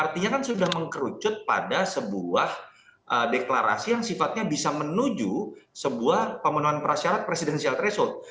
artinya kan sudah mengkerucut pada sebuah deklarasi yang sifatnya bisa menuju sebuah pemenuhan prasyarat presidensial threshold